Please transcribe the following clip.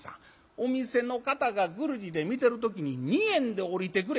お店の方がぐるりで見てる時に二円で下りてくれ。